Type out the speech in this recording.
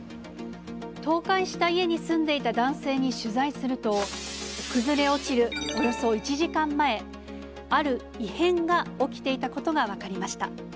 倒壊した家に住んでいた男性に取材すると、崩れ落ちるおよそ１時間前、ある異変が起きていたことが分かりました。